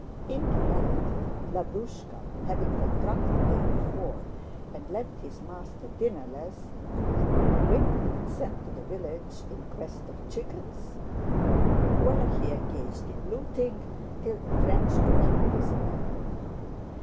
In reality Lavrúshka, having got drunk the day before and left his master dinnerless, had been whipped and sent to the village in quest of chickens, where he engaged in looting till the French took him prisoner.